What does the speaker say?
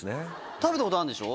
食べたことあるんでしょ？